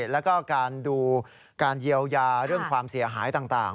แล้วก็การดูการเยียวยาเรื่องความเสียหายต่าง